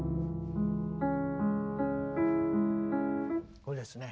これですね。